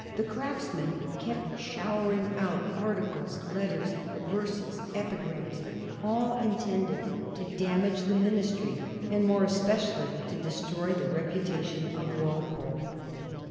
The Craftsman kept showering out articles, letters, verses, epigrams, all intended to damage the ministry, and more especially to destroy the reputation of Walpole.